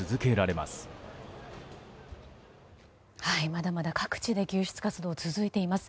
まだまだ各地で救出活動、続いています。